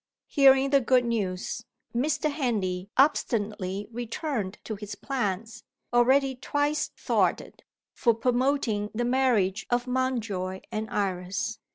Hearing the good news, Mr. Henley obstinately returned to his plans already twice thwarted for promoting the marriage of Mountjoy and Iris.